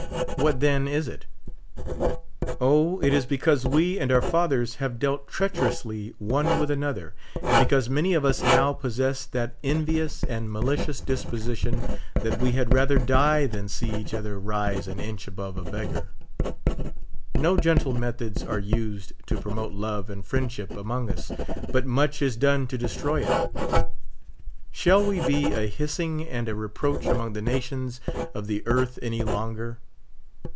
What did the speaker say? What then is it ? O, it is because we and our fathers have dealt treacherously one with another, and because many of us now possess that envious and malicious disposition that we had rather die than see each other rise an inch above a besfgar. No gentle methods are used to promote love and friendship among us, but much is done to destro}^ it. Shall we be a hissing and a reproach among the nations of the earth any longer